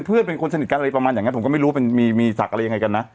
เป็นคนสนิทกันอะไรประมาณอย่างเงี้ยผมก็ไม่รู้เป็นมีมีสักอะไรยังไงกันน่ะ